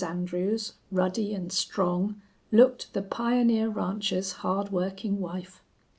Andrews, ruddy and strong, looked the pioneer rancher's hard working wife.